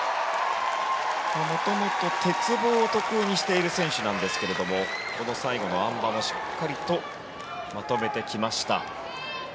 元々、鉄棒を得意としている選手なんですがこの最後のあん馬もしっかりとまとめてきました。